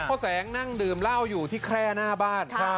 พ่อแสงนั่งดื่มเหล้าอยู่ที่แคร่หน้าบ้าน